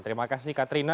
terima kasih katrina